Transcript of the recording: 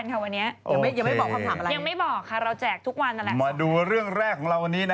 จัดไปหน้าหนึ่งก็เลยเดียว